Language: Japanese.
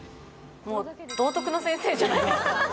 もう道徳の先生じゃないですか。